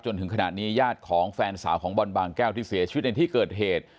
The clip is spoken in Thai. จนถึงขณะนี้ญาติของแฟนสาวของบอลบางแก้วที่เสียชีวิตในที่เกิดเหตุ